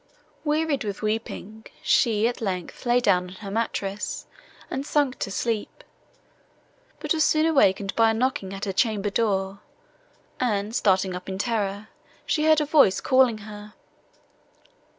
Wearied with weeping, she, at length, lay down on her mattress, and sunk to sleep, but was soon awakened by a knocking at her chamber door, and, starting up in terror, she heard a voice calling her.